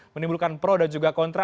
menimbulkan pro dan juga kontra